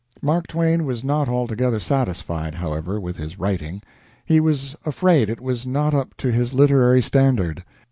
Mark Twain was not altogether satisfied, however, with his writing. He was afraid it was not up to his literary standard.